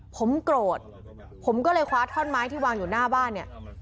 ผมโกรธผมก็เลยคว้าท่อนไม้ที่วางอยู่หน้าบ้านเนี่ย